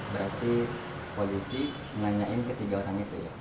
berarti polisi menanyakan ketiga orang itu ya